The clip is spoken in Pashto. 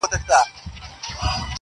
پايزېب به دركړمه د سترگو توره.